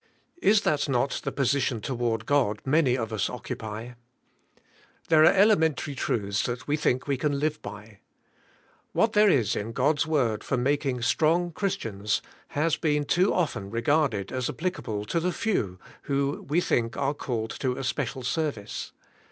Is that not the position toward God many of us oc cupy. There are elementary truths that we think we can live by. What there is in God's word for making strong Christians has been too often re garded as applicable to the few who we think are called to a special service.